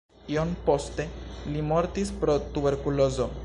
Iom poste li mortis pro tuberkulozo.